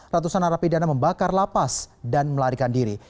ratusan harapi dana membakar lapas dan melarikan diri